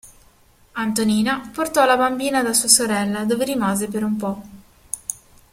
Antonina portò la bambina da sua sorella, dove rimase per un po'.